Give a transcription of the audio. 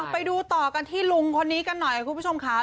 ไปดูต่อกันที่ลุงคนนี้กันหน่อยคุณผู้ชมค่ะ